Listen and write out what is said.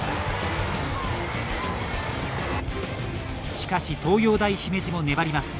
しかし東洋大姫路も粘ります。